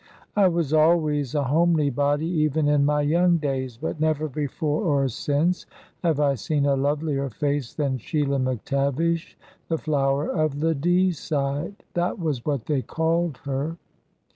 I was always a homely body, even in my young days, but never before or since have I seen a lovelier face than Sheila McTavish, 'the Flower of the Deeside' that was what they called her."